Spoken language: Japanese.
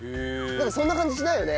なんかそんな感じしないよね。